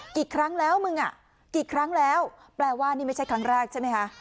กี่ครั้งแล้วมึงอ่ะกี่ครั้งแล้วแปลว่านี่ไม่ใช่ครั้งแรกใช่ไหมคะ